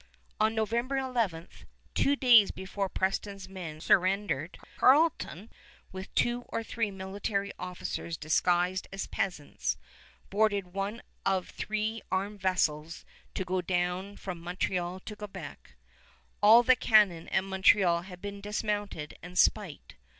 On November 11, two days before Preston's men surrendered, Carleton, with two or three military officers disguised as peasants, boarded one of three armed vessels to go down from Montreal to Quebec. All the cannon at Montreal had been dismounted and spiked.